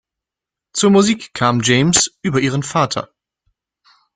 Zur Musik kam James über ihren Vater.